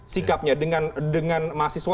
sikapnya dengan mahasiswa